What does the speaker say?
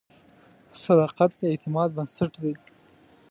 صداقت د اعتماد بنسټ دی.